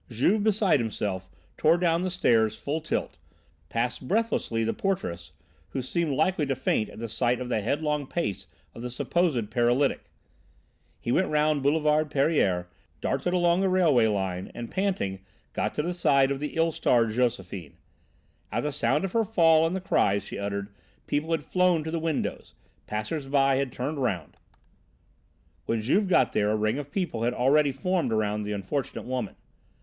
Juve beside himself tore down the stairs full tilt, passed breathlessly the porteress, who seemed likely to faint at the sight of the headlong pace of the supposed paralytic. He went round Boulevard Pereire, darted along the railway line, and, panting, got to the side of the ill starred Josephine. At the sound of her fall and the cries she uttered people had flown to the windows, passers by had turned round: when Juve got there a ring of people had already formed round the unfortunate woman.